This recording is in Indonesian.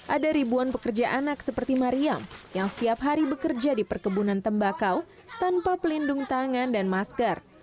ada ribuan pekerja anak seperti mariam yang setiap hari bekerja di perkebunan tembakau tanpa pelindung tangan dan masker